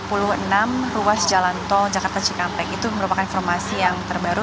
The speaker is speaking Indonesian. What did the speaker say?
pantauan terkini dari gerbang tol jakarta cikampek itu merupakan informasi yang terbaru